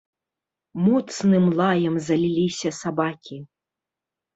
Моцным лаем заліліся сабакі.